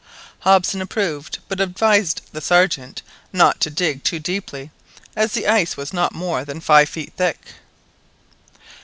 Hobson approved, but advised the Sergeant not to dig too deeply, as the ice was not more than five feet thick.